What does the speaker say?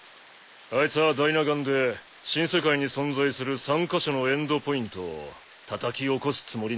あいつはダイナ岩で新世界に存在する３カ所のエンドポイントをたたき起こすつもりなのよ。